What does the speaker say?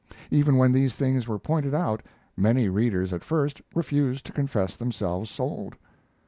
Even when these things were pointed out many readers at first refused to confess themselves sold.